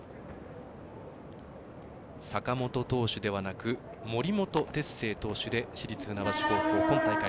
坂本投手ではなく森本哲星投手で市立船橋高校今大会